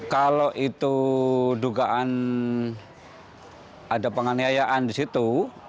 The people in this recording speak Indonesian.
kalau itu dugaan ada penganiayaan di situ